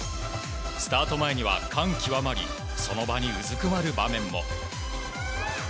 スタート前には感極まりその場にうずくまる場面も。